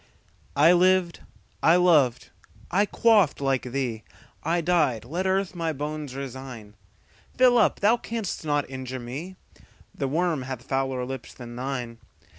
I lived, I loved, I quaffed like thee;I died: let earth my bones resign:Fill up thou canst not injure me; The worm hath fouler lips than thine.